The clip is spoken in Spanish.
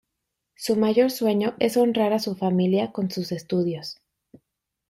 Su mayor sueño es honrar a su familia con sus estudios.